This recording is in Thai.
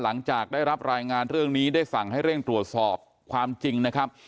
หลังจากได้รับรายงานเรื่องนี้ได้สั่งให้เร่งตรวจสอบความจริงนะครับ